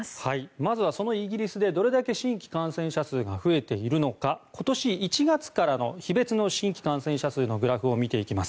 まずはそのイギリスでどれだけ新規感染者数が増えているのか今年１月からの日別の新規感染者数のグラフを見ていきます。